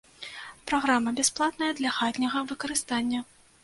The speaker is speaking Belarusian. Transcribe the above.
Праграма бясплатная для хатняга выкарыстання.